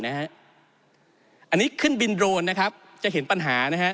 อันนี้ขึ้นบินโดรนจะเห็นปัญหา